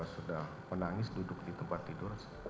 sudah menangis duduk di tempat tidur